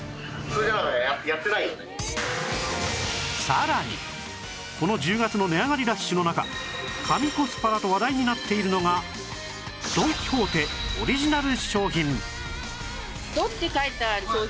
さらにこの１０月の値上がりラッシュの中神コスパだと話題になっているのがドン・キホーテオリジナル商品